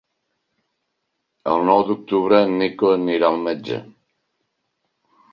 El nou d'octubre en Nico anirà al metge.